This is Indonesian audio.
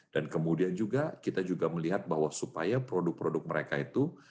dan kemudian juga kita juga melihat bahwa supaya produk produk mereka itu